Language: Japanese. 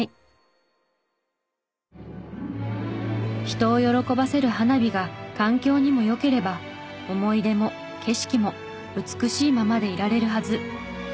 人を喜ばせる花火が環境にも良ければ思い出も景色も美しいままでいられるはず。